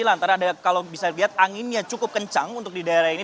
lantaran kalau bisa dilihat anginnya cukup kencang untuk di daerah ini